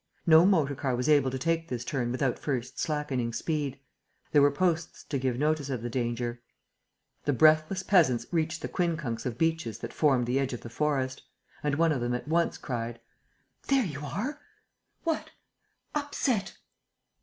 No motor car was able to take this turn without first slackening speed. There were posts to give notice of the danger. The breathless peasants reached the quincunx of beeches that formed the edge of the forest. And one of them at once cried: "There you are!" "What?" "Upset!"